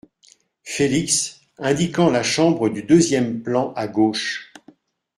Félix , indiquant la chambre du deuxième plan à gauche.